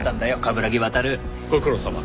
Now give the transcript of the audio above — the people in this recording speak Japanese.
ご苦労さま。